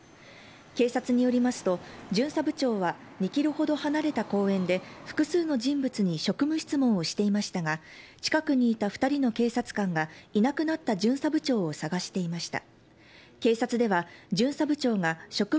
警察によりますと、巡査部長は２キロほど離れた公園で、複数の人物に職務質問をしていましたが、近くにいた２人の警察官がいなくなった巡査部長を捜していました。